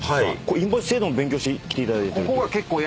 インボイス制度も勉強してきてると。